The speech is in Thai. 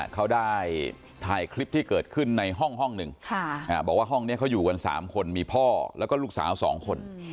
เขาได้ถ่ายคลิปที่เกิดขึ้นในห้องหนึ่งบอกว่าห้องนี้เขาอยู่กัน๓คนมีพ่อแล้วก็ลูกสาว๒คน